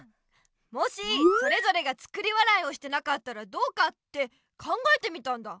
「もしそれぞれが『作り笑い』をしてなかったらどうか？」って考えてみたんだ。